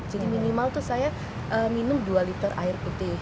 jadi minimal tuh saya minum dua liter air putih